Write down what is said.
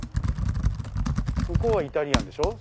ここはイタリアンでしょ